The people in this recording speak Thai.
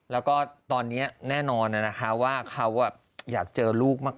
แล้วก็ตอนนี้แน่นอนนะคะว่าเขาอยากเจอลูกมาก